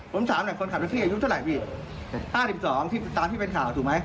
ผมถามคนขับที่อายุเท่าไหร่พี่๕๒ตามที่เป็นข่าวถูกไหม